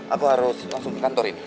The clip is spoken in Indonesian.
aku harus langsung ke kantor ini